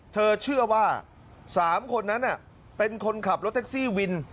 เธอเชื่อว่า๓คนนั้นเป็นคนขับรถแท็กซี่วิน